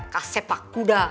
kasep pak kuda